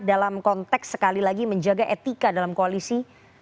dalam konteks sekali lagi menjaga etika dalam koalisi